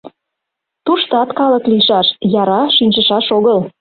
Туштат калык лийшаш, яра шинчышаш огыл...